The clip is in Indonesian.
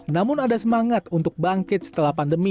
namun ada semangat untuk bangkit setelah pandemi